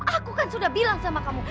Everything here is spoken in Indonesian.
aku kan sudah bilang sama kamu